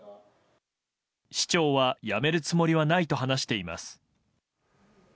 市長は辞めるつもりはないと話しています。